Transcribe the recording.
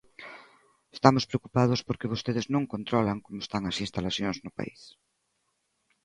Estamos preocupados porque vostedes non controlan como están as instalacións no país.